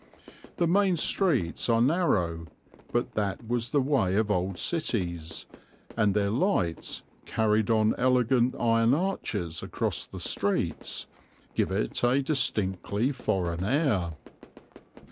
The main streets are narrow, but that was the way of old cities, and their lights, carried on elegant iron arches across the streets, give it a distinctly foreign air.